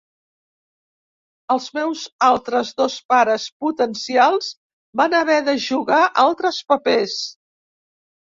Els meus altres dos pares potencials van haver de jugar altres papers.